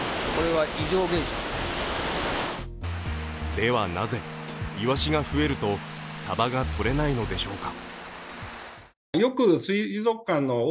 では、なぜイワシが増えるとサバがとれないのでしょうか。